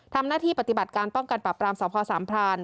ทำหน้าที่ปฏิบัติการป้องกันปรับรามสพสามพราน